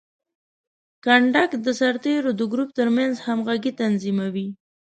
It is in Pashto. کنډک د سرتیرو د ګروپ ترمنځ همغږي تضمینوي.